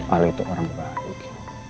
ali itu orang baik